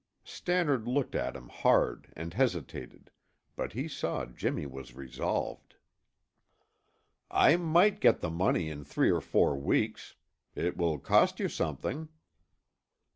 Stannard looked at him hard and hesitated, but he saw Jimmy was resolved. "I might get the money in three or four weeks. It will cost you something."